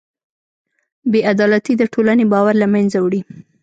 بېعدالتي د ټولنې باور له منځه وړي.